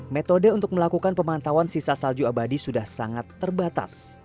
metode untuk melakukan pemantauan sisa salju abadi sudah sangat terbatas